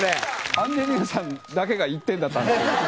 アンジェリーナさんだけが１点だったんですけど。